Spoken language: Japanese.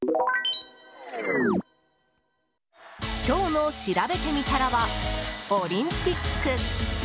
今日のしらべてみたらはオリンピック。